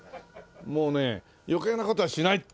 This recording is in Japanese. もうね余計な事はしないっていうのがね